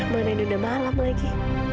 mana ini udah malam lagi